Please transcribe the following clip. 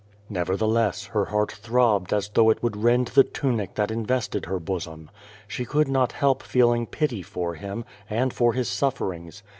Nevertheless, lier heart throbbed as though it would rend the tunic that invested her bosom. She could not help feding pity for him, and for his sulferings.